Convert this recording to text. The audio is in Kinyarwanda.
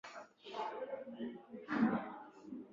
ni iki gikwiye kumenya ku rupfu